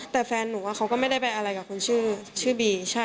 แต่แฟนหนูเขาก็ไม่ได้ไปอะไรกับคนชื่อบี